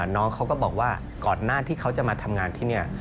น้องเขาก็บอกว่าก่อนหน้าที่เขาจะมาทำงานที่นี่